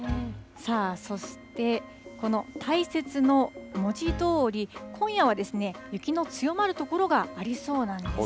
さあ、そして、この大雪の文字どおり、今夜は雪の強まる所がありそうなんです。